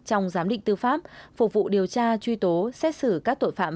trong giám định tư pháp phục vụ điều tra truy tố xét xử các tội phạm